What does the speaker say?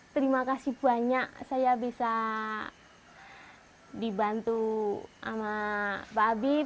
terima kasih banyak saya bisa dibantu sama pak habib